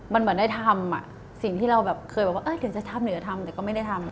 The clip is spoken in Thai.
มันเหมือนได้ทำสิ่งที่เราแบบเคยบอกว่าถึงจะทำหรือจะทำแต่ก็ไม่ได้ทำ